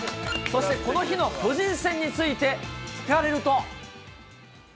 そしてこの日の巨人戦について聞かれると。